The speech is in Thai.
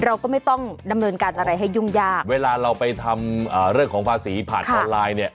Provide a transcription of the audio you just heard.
เราก็ไม่ต้องดำเนินการอะไรให้ยุ่งยากเวลาเราไปทำเรื่องของภาษีผ่านออนไลน์เนี่ย